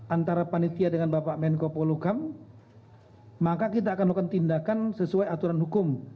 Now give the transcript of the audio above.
antara panitia dengan bapak menko polukam maka kita akan melakukan tindakan sesuai aturan hukum